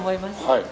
はい。